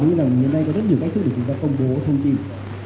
như thế nào ngày nay có rất nhiều cách thức để chúng ta công bố thông tin